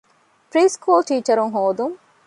ޕްރީސުކޫލު ޓީޗަރުން ހޯދުން